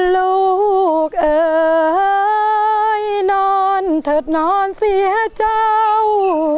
ลูกเอ่ยนอนเถิดนอนเสียเจ้า